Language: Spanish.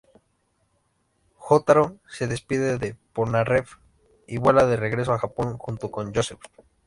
Jotaro se despide de Polnareff y vuela de regreso a Japón junto con Joseph.